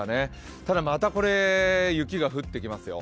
ただまた雪が降ってきますよ。